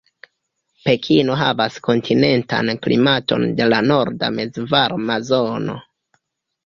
Pekino havas kontinentan klimaton de la norda mezvarma zono.